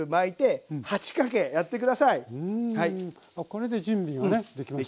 あこれで準備がねできました。